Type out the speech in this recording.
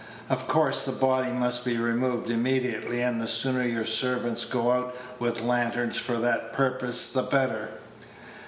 Of course the body must be removed immediately, and the sooner your servants go out with lanterns for that purpose the better.